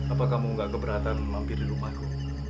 apa kamu gak keberatan mampir di rumahku